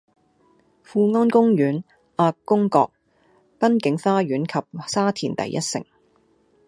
富安花園、亞公角、濱景花園及沙田第一城，